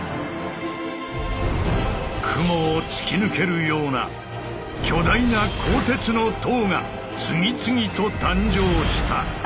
雲を突き抜けるような巨大な鋼鉄の塔が次々と誕生した。